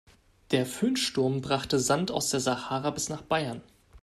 Der Föhnsturm brachte Sand aus der Sahara bis nach Bayern.